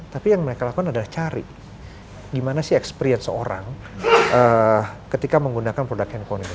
tapi yang mereka lakukan adalah cari gimana sih experience orang ketika menggunakan produk handphone ini